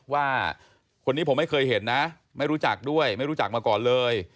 ว่าคนนี้ผมไม่เคยเห็นนะไม่รู้จักด้วยไม่รู้จักมาก่อนเลย